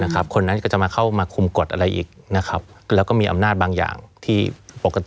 คนนั้นก็จะมาเข้าคุมกฎอะไรอีก